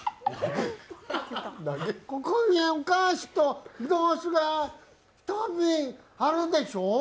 ここにお菓子とぶどう酒が１瓶あるでしょ